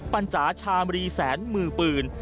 ปัญจาชามรีแสนมือปืน